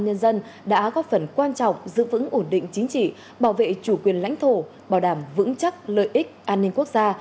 nhân dân đã góp phần quan trọng giữ vững ổn định chính trị bảo vệ chủ quyền lãnh thổ bảo đảm vững chắc lợi ích an ninh quốc gia